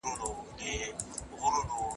خو په خپله ژبه فکر کول اصلي کمال دی.